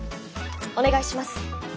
お願いします。